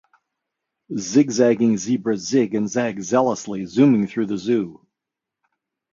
Zigzagging zebras zig and zag zealously, zooming through the zoo!